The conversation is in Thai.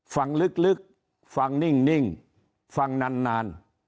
ฟังลึกฟังนิ่งฟังนาน